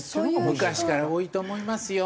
昔から多いと思いますよ。